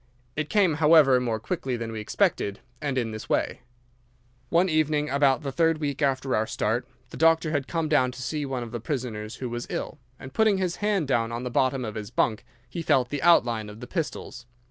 It came, however, more quickly than we expected, and in this way. "'One evening, about the third week after our start, the doctor had come down to see one of the prisoners who was ill, and putting his hand down on the bottom of his bunk he felt the outline of the pistols.